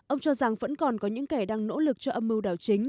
ông cho rằng vẫn còn có những kẻ đang nỗ lực cho âm mưu đảo chính